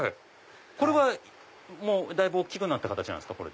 これはだいぶ大きくなった形なんですか？